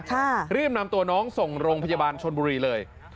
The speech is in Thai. รีบนำตัวน้องส่งโรงพยาบาลชนบุรีเลย